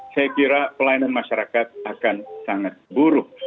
saya kira pelayanan masyarakat akan sangat buruk